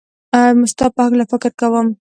ستا په هکله فکر کوم